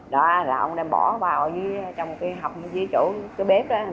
đó rồi ông đem bỏ vào trong cái hầm dưới chỗ cái bếp đó